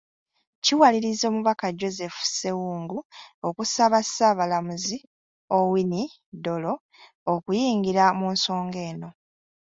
Kiwaliriza Omubaka Joseph Ssewungu okusaba Ssaabalamuzi Owiny Dollo okuyingira mu nsonga eno.